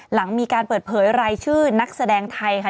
หลังมีการเปิดเผยรายชื่อนักแสดงไทยค่ะ